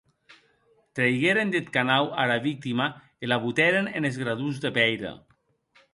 Treigueren deth canau ara victima e la botèren enes gradons de pèira.